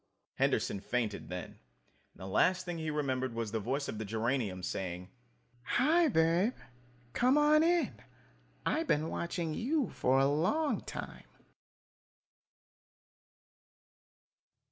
Henderson fainted then, and the last thing he remembered was the voice of the geranium saying: "Hi, Babe, come on in. I been watching you for a long time!"